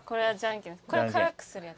これは辛くするやつ。